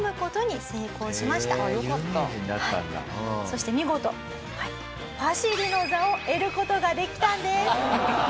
そして見事パシリの座を得る事ができたんです！